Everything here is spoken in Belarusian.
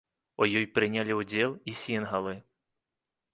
У ёй прынялі ўдзел і сінгалы.